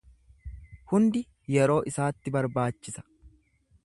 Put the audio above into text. Hundi yeroo isaatti barbaachisa.